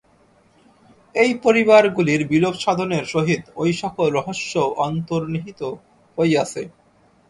এই পরিবারগুলির বিলোপ-সাধনের সহিত ঐ-সকল রহস্যও অন্তর্হিত হইয়াছে।